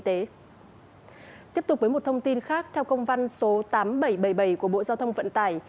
tiếp tục với một thông tin khác theo công văn số tám nghìn bảy trăm bảy mươi bảy của bộ giao thông vận tải